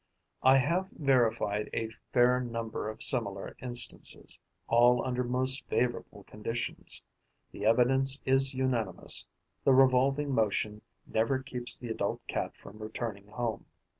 I have verified a fair number of similar instances, all under most favourable conditions. The evidence is unanimous: the revolving motion never keeps the adult Cat from returning home.